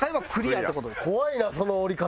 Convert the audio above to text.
怖いなその降り方。